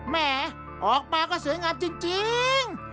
แหมออกมาก็สวยงามจริง